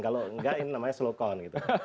kalau enggak ini namanya slow count